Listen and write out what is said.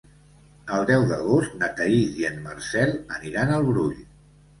El deu d'agost na Thaís i en Marcel aniran al Brull.